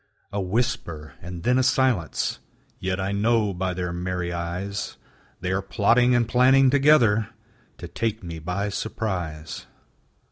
A whisper, and then a silence: Yet I know by their merry eyes They are plotting and planning together To take me by surprise.